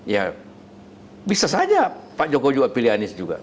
ya bisa saja pak jokowi juga pilih anies juga